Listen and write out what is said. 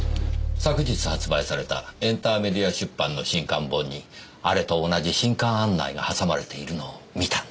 昨日発売されたエンターメディア出版の新刊本にあれと同じ新刊案内がはさまれているのを見たんです。